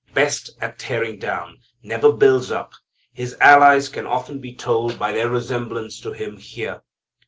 Best at tearing down. Never builds up. His allies can often be told by their resemblance to him here.